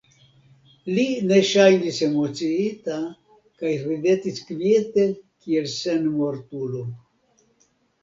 Li ne ŝajnis emociita, kaj ridetis kviete, kiel senmortulo.